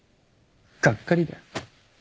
がっかりだよ。